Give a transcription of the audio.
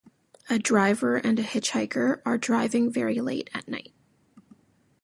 A driver and a hitchhiker are driving very late at night.